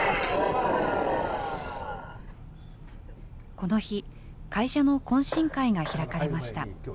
この日、会社の懇親会が開かれました。